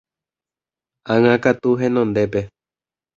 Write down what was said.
Ág̃akatu henondépe.